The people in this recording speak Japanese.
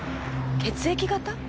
血液型？